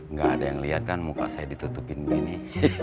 nggak ada yang lihat kan muka saya ditutupin begini